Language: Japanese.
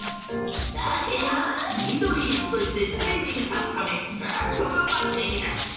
だけどミドリーズとしてステージにたつためずっとがんばっている。